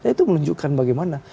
itu menunjukkan bagaimana